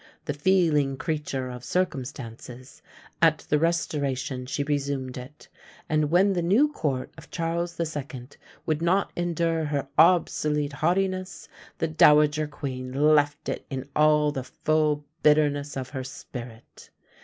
the feeling creature of circumstances, at the Restoration she resumed it, and when the new court of Charles the Second would not endure her obsolete haughtiness, the dowager queen left it in all the full bitterness of her spirit.